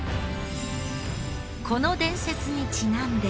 この伝説にちなんで。